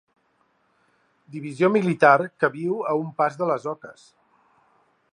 Divisió militar que viu a un pas de les oques.